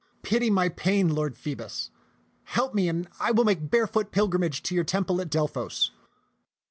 Pity my pain, Lord Phoebus. Help me, and I will make barefoot pilgrimage to your temple at Delphos."